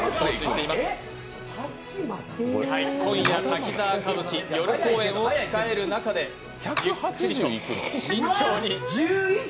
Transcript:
今夜、滝沢歌舞伎、夜公演を控える迎える中ゆっくりと慎重に。